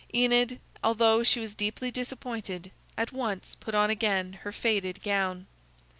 Enid, although she was deeply disappointed, at once put on again her faded gown.